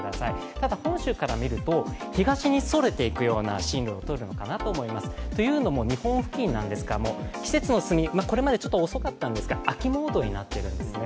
ただ本州からみると東にそれていくコースをとるのかなと思いますというのも、日本付近、季節の進み、これまでちょっと遅かったんですが、秋モードになっているんですね。